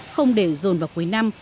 không để dồn vào cuối năm